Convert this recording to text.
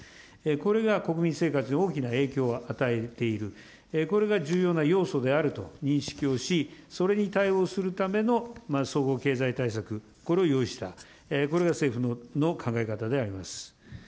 これが国民生活に大きな影響を与えている、これが重要な要素であると認識をし、それに対応するための総合経済対策、これを用意した、これが政府の考え方であります。